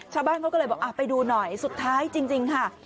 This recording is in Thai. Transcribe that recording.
ชาวบ้านเขาก็เลยบอกไปดูหน่อยสุดท้ายจริงค่ะ